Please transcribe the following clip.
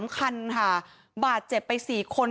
๒คันค่ะบาดเจ็บไป๔คน